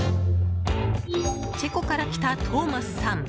チェコから来たトーマスさん